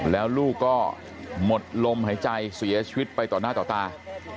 แล้วลูกก็หมดลมหายใจเสียชีวิตไปต่อหน้าต่อตา